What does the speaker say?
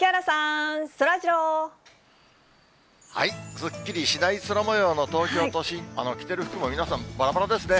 すっきりしない空もようの東京都心、着てる服も皆さん、ばらばらですね。